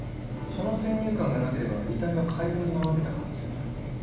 その先入観がなければ遺体は解剖に回ってた可能性がある。